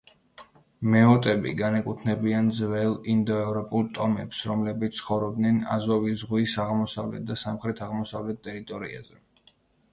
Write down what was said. მეოტები განეკუთვნებიან ძველ ინდოევროპულ ტომებს, რომლებიც ცხოვრობდნენ აზოვის ზღვის აღმოსავლეთ და სამხრეთ-აღმოსავლეთ ტერიტორიაზე.